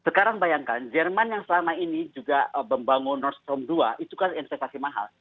sekarang bayangkan jerman yang selama ini juga membangun nors rom dua itu kan investasi mahal